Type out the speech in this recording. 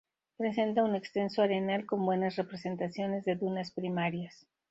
Presenta un extenso arenal con buenas representaciones de dunas primarias.